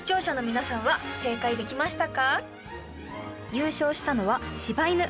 優勝したのは柴犬